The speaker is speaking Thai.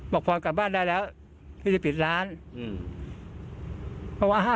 พรกลับบ้านได้แล้วพี่จะปิดร้านอืม